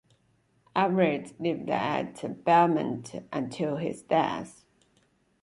Everett lived at Belmont until his death.